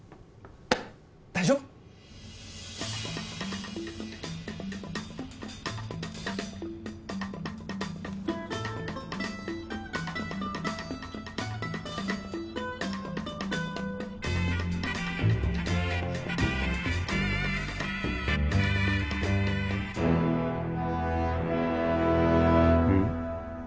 大丈夫うん？